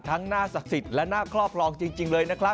น่าศักดิ์สิทธิ์และหน้าครอบครองจริงเลยนะครับ